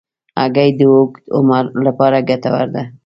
هګۍ د اوږد عمر لپاره ګټوره ده.